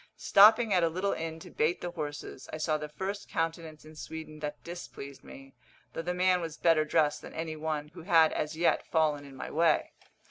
Stopping at a little inn to bait the horses, I saw the first countenance in Sweden that displeased me, though the man was better dressed than any one who had as yet fallen in my way.